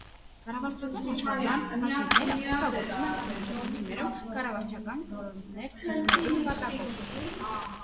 Կառավարչական հաշվառման հաշիվները օգտագործվում են կազմակերպությունում կառավարչական որոշումներ ընդունելու նպատակով։